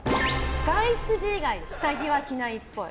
外出時以外、下着は着ないっぽい。